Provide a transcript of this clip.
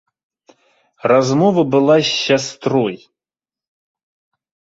Размова была з сястрой.